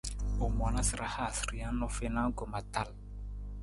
U moona sa ra haasa rijang u fiin anggoma tal.